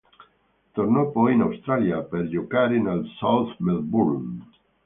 Tornò poi in Australia, per giocare nel South Melbourne.